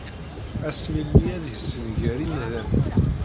Asmil-nni ad yessenger imdanen.